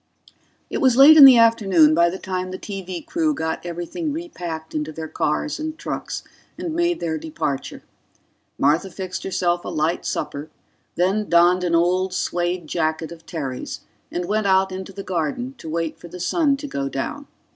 It was late in the afternoon by the time the TV crew got everything repacked into their cars and trucks and made their departure. Martha fixed herself a light supper, then donned an old suede jacket of Terry's and went out into the garden to wait for the sun to go down.